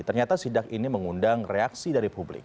ternyata sidak ini mengundang reaksi dari publik